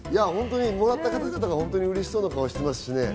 もらった方々が本当に嬉しそうな顔をしていますしね。